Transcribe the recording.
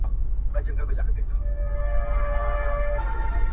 ستا بچي به هم رنګین وي هم ښاغلي -